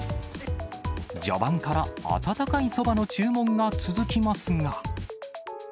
序盤から温かいそばの注文が続きますが。